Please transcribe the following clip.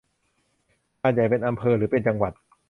หาดใหญ่เป็นอำเภอหรือเป็นจังหวัด